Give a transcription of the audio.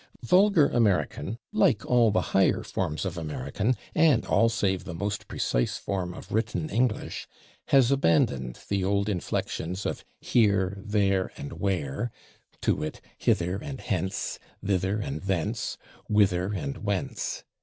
Vulgar American, like all the higher forms of American and all save the most precise form of written English, has abandoned the old inflections of /here/, /there/ and /where/, to wit, /hither/ and /hence/, /thither/ and /thence/, /whither/ and /whence